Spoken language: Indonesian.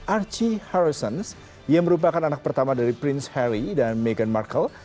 archie harrisons yang merupakan anak pertama dari prince harry dan meghan markle